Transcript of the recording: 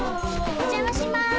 ・お邪魔します。